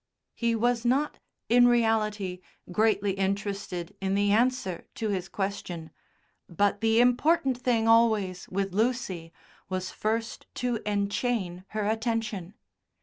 He was not, in reality, greatly interested in the answer to his question, but the important thing always with Lucy was first to enchain her attention.